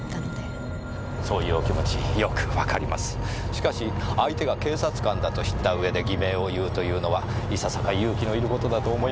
しかし相手が警察官だと知った上で偽名を言うというのはいささか勇気のいる事だと思いますが。